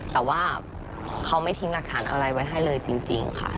แต่ว่าเขาไม่ทิ้งหลักฐานอะไรไว้ให้เลยจริงค่ะ